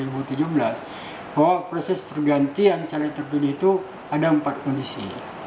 bahwa proses pergantian caleg terpilih itu ada empat kondisi